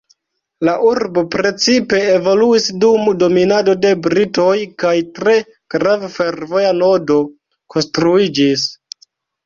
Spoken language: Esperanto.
La urbo precipe evoluis dum dominado de britoj kaj tre grava fervoja nodo konstruiĝis.